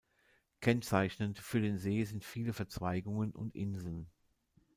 Kennzeichnend für den See sind viele Verzweigungen und Inseln.